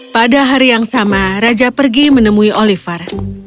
pada hari yang sama raja pergi menemui oliver